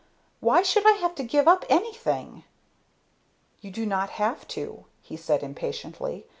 Why should I have to give up anything?" "You do not have to," he said patiently.